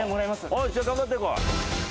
おおじゃあ頑張ってこい。